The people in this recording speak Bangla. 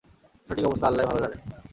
সঠিক অবস্থা আল্লাহই ভাল জানেন।